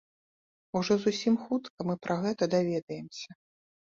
Ужо зусім хутка мы пра гэта даведаемся.